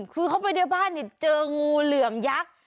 คือเข้าไปในบ้านเจองูเหลือมยักษ์